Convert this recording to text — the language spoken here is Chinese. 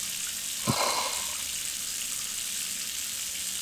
四川粘体虫为粘体科粘体虫属的动物。